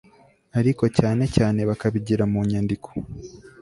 ariko cyane cyane bakabigira mu nyandiko